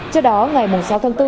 trước đó ngày sáu tháng bốn